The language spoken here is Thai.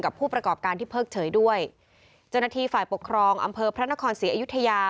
ผู้ประกอบการที่เพิกเฉยด้วยเจ้าหน้าที่ฝ่ายปกครองอำเภอพระนครศรีอยุธยา